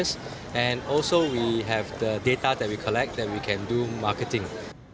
dan juga kita memiliki data yang kita kumpulkan untuk melakukan marketing